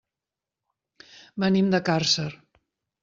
Venim de Càrcer.